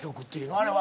あれは。